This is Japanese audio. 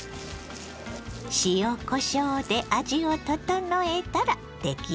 塩こしょうで味を調えたら出来上がり。